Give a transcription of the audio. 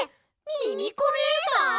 ミミコねえさん！？